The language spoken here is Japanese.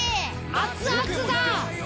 熱々だ。